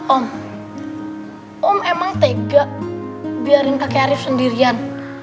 om om emang tega biarin pakai arief sendirian